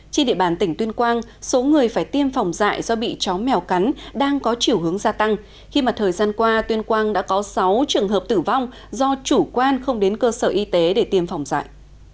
trên địa bàn tỉnh tuyên quang số người phải tiêm phòng dạy do bị chó mèo cắn đang có chiều hướng gia tăng khi mà thời gian qua tuyên quang đã có sáu trường hợp tử vong do chủ quan không đến cơ sở y tế để tiêm phòng dạy